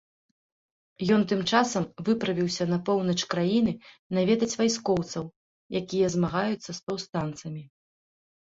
Ён тым часам выправіўся на поўнач краіны наведаць вайскоўцаў, якія змагаюцца з паўстанцамі.